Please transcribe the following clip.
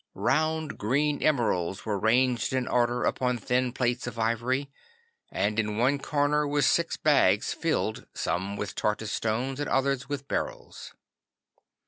Round green emeralds were ranged in order upon thin plates of ivory, and in one corner were silk bags filled, some with turquoise stones, and others with beryls.